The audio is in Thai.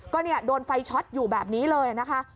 ก็เนี่ยโดนไฟช็อตอยู่แบบนี้เลยนะคะ